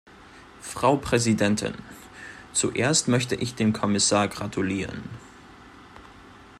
Frau Präsidentin! Zuerst möchte ich dem Kommissar gratulieren.